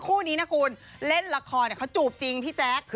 คู่นี้นะคุณเล่นละครเขาจูบจริงพี่แจ๊ค